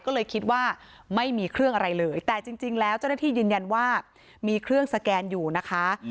ก็เลยคิดว่าไม่มีเครื่องอะไรเลยแต่จริงแล้วเจ้าหน้าที่ยืนยันว่ามีเครื่องสแกนอยู่นะคะ